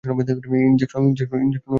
Injection দাও না।